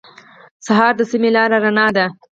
سهار د سمې لارې رڼا ده.